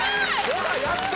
ほらやった！